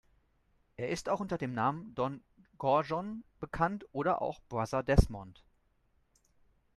Er ist auch unter dem Namen „Don Gorgon“ bekannt oder auch „Brother Desmond“.